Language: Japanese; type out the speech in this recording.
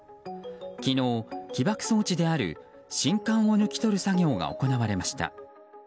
昨日、起爆装置である信管を抜き取る作業が行われました。